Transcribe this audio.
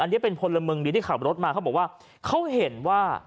อันนี้เป็นพลเมืองดีที่ขับรถมาเขาบอกว่าเขาเห็นว่า